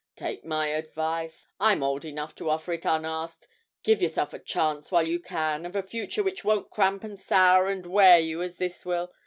'Take my advice (I'm old enough to offer it unasked); give yourself a chance while you can of a future which won't cramp and sour and wear you as this will.